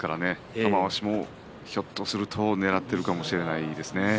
玉鷲もひょっとするとねらっているかもしれません。